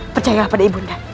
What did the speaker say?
percayalah pada ibu anda